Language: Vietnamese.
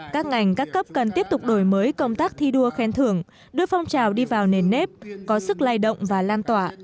các ngành các cấp cần tiếp tục đổi mới công tác thi đua khen thưởng đưa phong trào đi vào nền nếp có sức lai động và lan tỏa